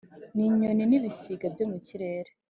n’inyoni n’ibisiga byo mu kirere